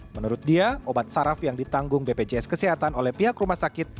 menurut dia obat saraf yang ditanggung bpjs kesehatan oleh pihak rumah sakit